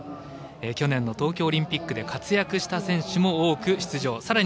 去年の東京オリンピックで活躍した選手も多く出場。